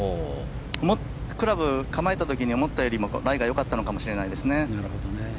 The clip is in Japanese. クラブを構えた時に思ったよりもライが良かったのかもしれないですね。